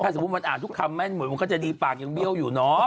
สมมุติมันอ่านทุกคำแม่นหมดมันก็จะดีปากยังเบี้ยวอยู่เนาะ